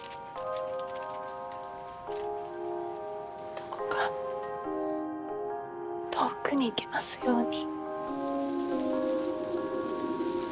どこか遠くに行けますように。